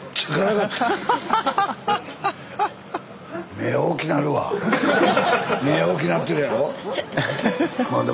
目大きなってるやろ？